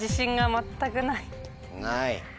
ない。